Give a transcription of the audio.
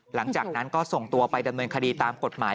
หลังจากนั้นก็ส่งตัวไปดำเนินคดีตามกฎหมาย